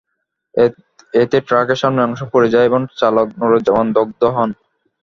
এতে ট্রাকের সামনের অংশ পুড়ে যায় এবং চালক নুরুজ্জামান দগ্ধ হন।